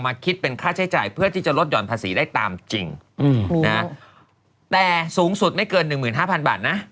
คิดเป็นค่าใช้จ่ายเพื่อที่จะลดหย่อนภาษีได้ตามจริงนะแต่สูงสุดไม่เกินหนึ่งหมื่นห้าพันบาทนะ